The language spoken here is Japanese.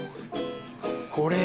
これ！